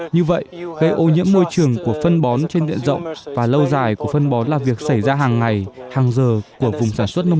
như vậy gây ô nhiễm môi trường của phân bón trên tiện rộng và lâu dài của phân bón là việc sử dụng